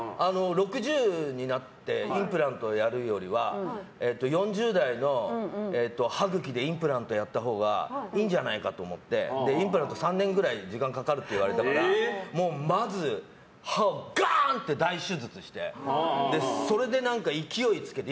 ６０になってインプラントをやるよりは４０代の歯茎でインプラントやった法がいいんじゃないかと思ってインプラント３年くらい時間がかかるって言われたからまず歯をガーンって大手術してそれで、勢いつけて。